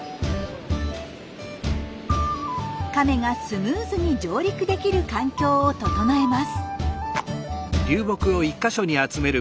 カメがスムーズに上陸できる環境を整えます。